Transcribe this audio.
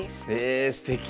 えすてき。